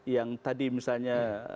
yang tadi misalnya